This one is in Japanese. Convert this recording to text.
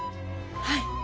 はい。